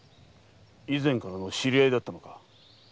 以前からの知り合いだったのか。